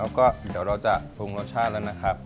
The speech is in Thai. แล้วก็เดี๋ยวเราจะปรุงรสชาติแล้วนะครับ